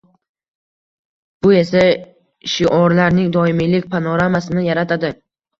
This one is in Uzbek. bu esa shiorlarning doimiylik panoramasini yaratadi.